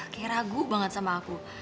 kayak ragu banget sama aku